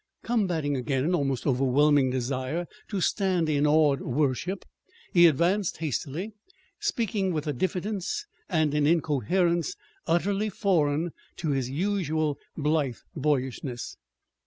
Combating again an almost overwhelming desire to stand in awed worship, he advanced hastily, speaking with a diffidence and an incoherence utterly foreign to his usual blithe boyishness.